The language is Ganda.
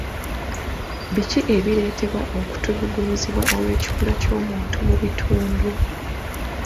Biki ebireetera okutulugunyizibwa olw'ekikula ky'omuntu mu bitundu?